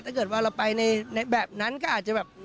ถ้าเกิดว่าเราไปในแบบนั้นก็อาจจะแบบ